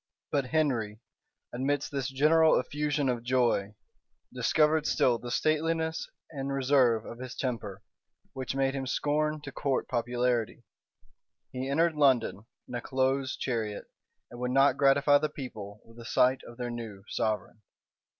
But Henry, amidst this general effusion of joy, discovered still the stateliness and reserve of his temper, which made him scorn to court popularity: he entered London in a close chariot, and would not gratify the people with a sight of their new sovereign.